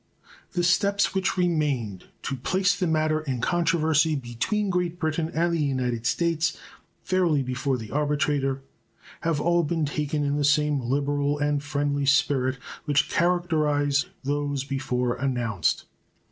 The steps which remained to place the matter in controversy between Great Britain and the United States fairly before the arbitrator have all been taken in the same liberal and friendly spirit which characterized those before announced.